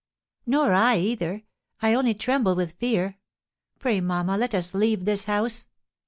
"Nor I either. I only tremble with fear. Pray, mamma, let us leave this house!"